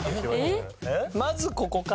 まずここかな？